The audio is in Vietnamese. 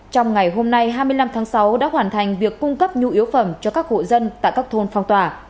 trong ngày hôm nay hai mươi năm tháng sáu đã hoàn thành việc cung cấp nhu yếu phẩm cho các hộ dân tại các thôn phong tỏa